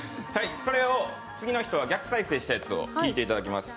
それを次の人は逆再生したものを聞いてもらいます。